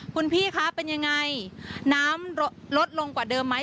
คุณพี่คะเป็นยังไงน้ำลดลงกว่าเดิมไหม